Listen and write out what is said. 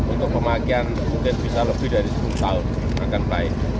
untuk pemakaian mungkin bisa lebih dari sepuluh tahun akan baik